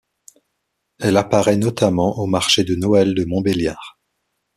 Elle apparaît notamment au marché de Noël de Montbéliard.